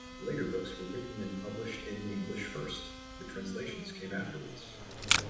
Later books were written and published in English first; the translations came afterwards.